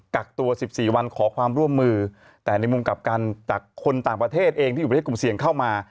กักตัว๑๔วันขอความร่วมมือแต่ในมุมกลับกันจากคนต่างประเทศเองที่อยู่ประเทศกลุ่มเสี่ยงเข้ามา